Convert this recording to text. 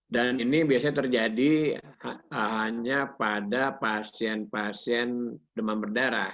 dan ini biasanya terjadi hanya pada pasien pasien demam berantakan